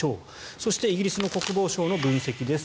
そして、イギリスの国防省の分析です。